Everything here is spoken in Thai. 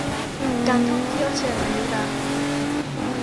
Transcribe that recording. การท่องเที่ยวเชิงอนุรักษ์